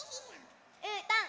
うーたん